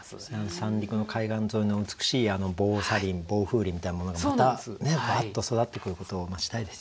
三陸の海岸沿いの美しい防砂林防風林みたいなものがまたバーッと育ってくることを待ちたいですよね。